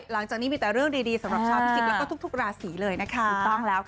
หลังจากนี้มีแต่เรื่องดีสำหรับชาวพิจิกและทุกราศรีเลยนะคะ